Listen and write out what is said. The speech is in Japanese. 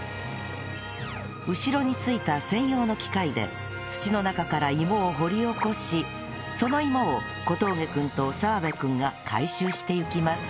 後ろについた専用の機械で土の中から芋を掘り起こしその芋を小峠君と澤部君が回収していきます